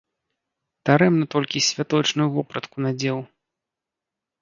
Дарэмна толькі святочную вопратку надзеў.